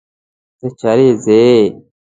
ته چيري ځې.